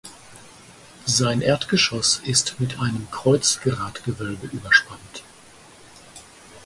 Sein Erdgeschoss ist mit einem Kreuzgratgewölbe überspannt.